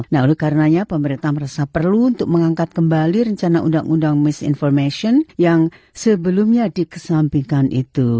nah oleh karenanya pemerintah merasa perlu untuk mengangkat kembali rencana undang undang misinformation yang sebelumnya dikesampingkan itu